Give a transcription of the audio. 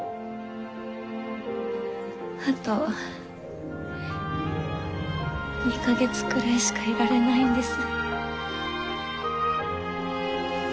あと２か月くらいしかいられないんです。